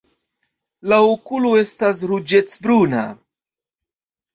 La okulo estas ruĝecbruna.